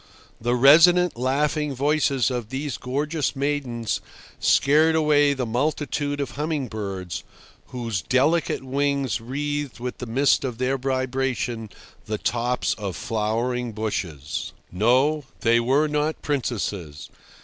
The resonant, laughing voices of these gorgeous maidens scared away the multitude of humming birds, whose delicate wings wreathed with the mist of their vibration the tops of flowering bushes. No, they were not princesses.